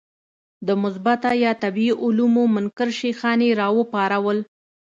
د مثبته یا طبیعي علومو منکر شیخان یې راوپارول.